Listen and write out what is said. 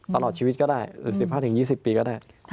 ตลอดชีวิตก็ได้หรือสินพัฒน์ถึง๒๐ปีก็ได้